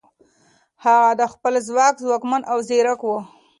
هغه د خپل ځواک ځواکمن او ځیرک و.